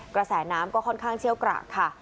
กระแสน้ำก็ค่อนข้างเชี่ยวกรากค่ะ